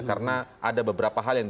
karena ada beberapa hal yang